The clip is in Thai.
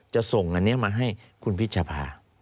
ส่งอันนี้มาให้คุณพิชภา